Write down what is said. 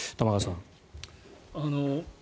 玉川さん。